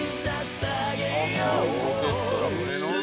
「オーケストラ船の上！」